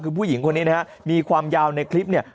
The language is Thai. คือผู้หญิงคนนี้นะฮะมีความยาวในคลิปเนี่ย